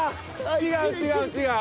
違う違う違う！